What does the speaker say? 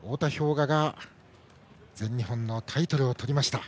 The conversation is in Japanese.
雅が全日本のタイトルをとりました。